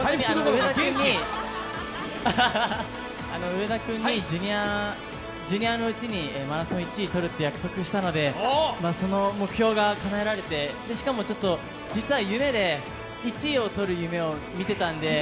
上田君にジュニアのうちにマラソン１位とるって約束したので、その目標がかなえられて、しかも、実は夢で、１位を取る夢を見てたんで。